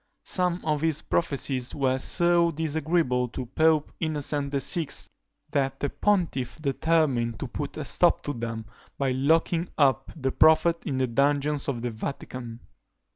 Some of his prophecies were so disagreeable to Pope Innocent VI., that the pontiff determined to put a stop to them, by locking up the prophet in the dungeons of the Vatican.